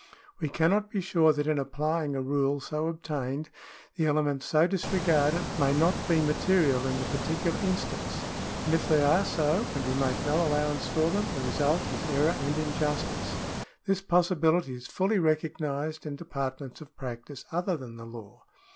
We cannot be sure that in applying a rule so obtained, the elements so disregarded may not be material in the par ticular instance ; and if they are so, and we make no allow ance for them, the result is error and injustice. This possi bility is fully recognised in departments of practice other than the law.